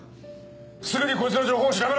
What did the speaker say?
すぐにこいつの情報を調べろ！